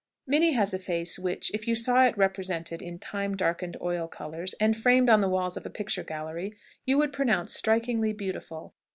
Minnie has a face, which, if you saw it represented in time darkened oil colours, and framed on the walls of a picture gallery, you would pronounce strikingly beautiful.